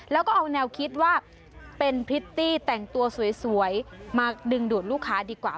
แล้วก็เอาแนวคิดว่าเป็นพริตตี้แต่งตัวสวยมาดึงดูดลูกค้าดีกว่า